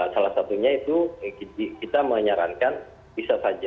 salah satunya itu kita menyarankan bisa saja